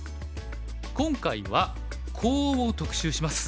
今回はコウを特集します。